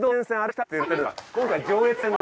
今回上越線で。